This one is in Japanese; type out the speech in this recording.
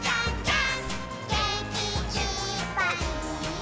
「げんきいっぱいもっと」